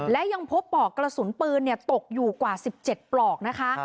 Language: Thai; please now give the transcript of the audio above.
และยังพบปลอกกระสุนปืนตกอยู่กว่า๑๗ปลอกนะคะ